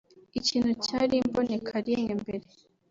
ikintu cyari imbonekarimwe mbere